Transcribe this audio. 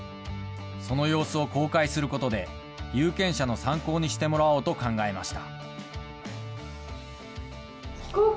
その様子を公開することで、有権者の参考にしてもらおうと考えました。